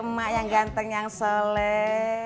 cucu emak yang ganteng yang seles